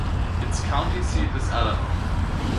Its county seat is Alamo.